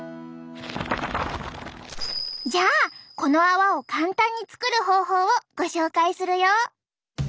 じゃあこの泡を簡単に作る方法をご紹介するよ。